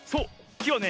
きはね